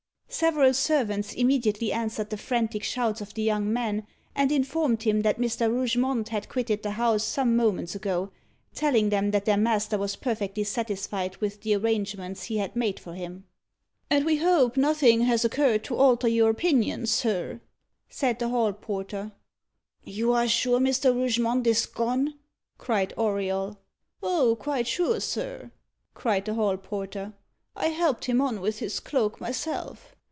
Several servants immediately answered the frantic shouts of the young man, and informed him that Mr. Rougemont had quitted the house some moments ago, telling them that their master was perfectly satisfied with the arrangements he had made for him. "And we hope nothing has occurred to alter your opinion, sir?" said the hall porter. "You are sure Mr. Rougemont is gone?" cried Auriol. "Oh, quite sure, sir," cried the hall porter. "I helped him on with his cloak myself.